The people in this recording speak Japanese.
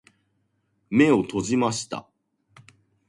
目を閉じました。